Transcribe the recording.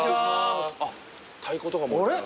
あれ？